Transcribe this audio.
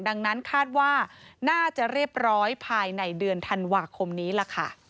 ดังนั้นคาดว่าน่าจะเรียบร้อยภายในเดือนธันวาคมนี้ล่ะค่ะ